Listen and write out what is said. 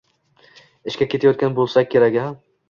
Ishga ketayotgan bo`lsang kerak-a